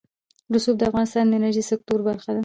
رسوب د افغانستان د انرژۍ سکتور برخه ده.